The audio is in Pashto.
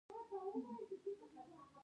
ایا د لیدلو وخت معلوم دی؟